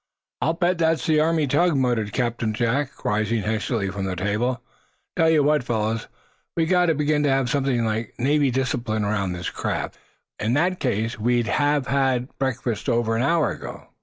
"I'll bet that's the Army tug!" muttered Captain Jack, rising hastily from the table. "Tell you what, fellows, we've got to begin to have something like Navy discipline aboard this craft. In that case, we'd have had breakfast over an hour ago."